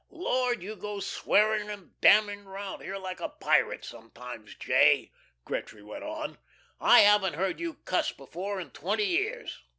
"Lord, you go swearing and damning 'round here like a pirate sometimes, J.," Gretry went on. "I haven't heard you cuss before in twenty years.